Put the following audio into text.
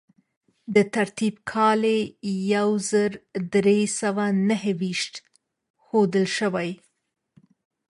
د ترتیب کال یې یو زر درې سوه نهه ویشت ښودل شوی.